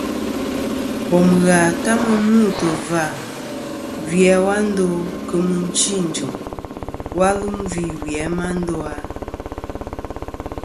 Bòm ghà ta mɨ n-mûtɨ̀ vâ, gvi a wa ndo kɨ̀ mɨchi ɨ̀n jɨ̀m, wa lum gvî wì a ma ndo a?